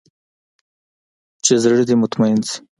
چې زړه دې مطمين سي.